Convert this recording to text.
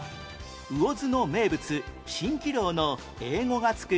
魚津の名物蜃気楼の英語が付く